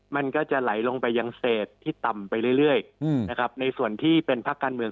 มันก็จะไหลลงไปยังเศษที่ต่ำไปเรื่อยนะครับในส่วนที่เป็นภาคการเมือง